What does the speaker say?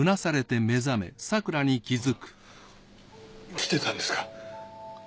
来てたんですか。